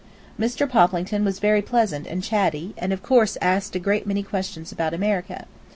Mr. Poplington was very pleasant and chatty, and of course asked a great many questions about America.